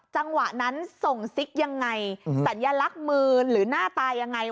จังหวะนั้นส่งซิกยังไงสัญลักษณ์มือหรือหน้าตายังไง